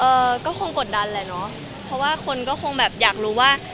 เอ่อก็คงกดดันแหละเนอะเพราะว่าคนก็คงแบบอยากรู้ว่า